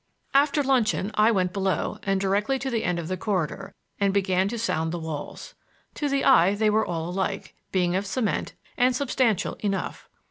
After luncheon I went below and directly to the end of the corridor, and began to sound the walls. To the eye they were all alike, being of cement, and substantial enough.